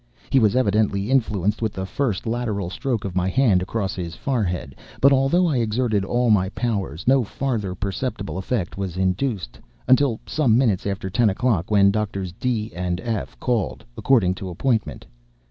He was evidently influenced with the first lateral stroke of my hand across his forehead; but although I exerted all my powers, no further perceptible effect was induced until some minutes after ten o'clock, when Doctors D—— and F—— called, according to appointment.